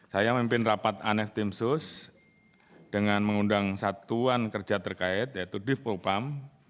saya memimpin rapat aneh tim sus dengan mengundang satuan kerja terkait yaitu difupam